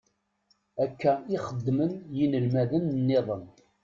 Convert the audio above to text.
Akka i xeddmen yinelmaden-nniḍen.